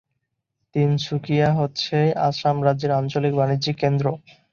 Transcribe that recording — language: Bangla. তিনসুকিয়া হচ্ছে আসাম রাজ্যের আঞ্চলিক বাণিজ্যিক কেন্দ্র।